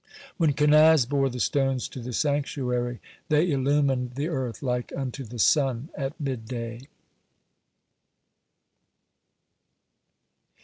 (14) When Kenaz bore the stones to the sanctuary, they illumined the earth like unto the sun at midday.